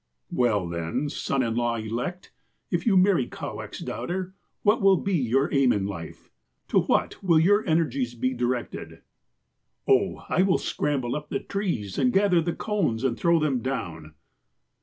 " 'Well, then, son in law elect, if you marry Kowak's daughter, what will be your aim in life ? To what will your energies be directed ?' "'Oh, I will scramble up the trees, and gather the cones, and throw them down.'